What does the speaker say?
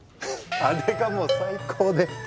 あれがもう最高でははっ。